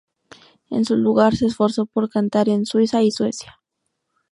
En su lugar, se esforzó por cantar en Suiza y Suecia.